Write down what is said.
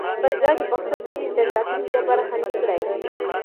خپل ږغ د پښتو د ډیجیټل راتلونکي لپاره خوندي کړئ.